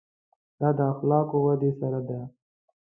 دا د اخلاقو ودې سره ده.